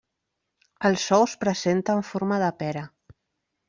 Els ous presenten forma de pera.